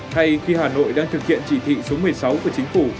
thay khi hà nội đang thực hiện chỉ thị số một mươi sáu của chính phủ